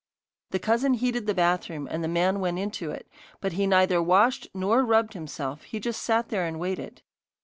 The cousin heated the bathroom, and the man went into it, but he neither washed nor rubbed himself, he just sat there and waited.